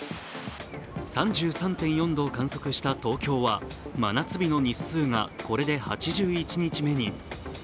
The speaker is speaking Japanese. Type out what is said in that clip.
３３．４度を観測した東京は、真夏日の日数がこれで８１日目に。